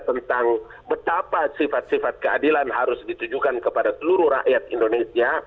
tentang betapa sifat sifat keadilan harus ditujukan kepada seluruh rakyat indonesia